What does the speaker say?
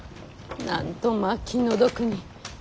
なんとまあ気の毒に。